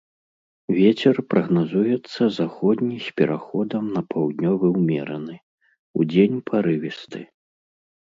Вецер прагназуецца заходні з пераходам на паўднёвы ўмераны, удзень парывісты.